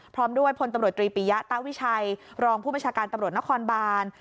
พร้อมด้วยพลตำรวจตรีปียะตาวิชัยรองผู้บัญชาการตำรวจนครบาน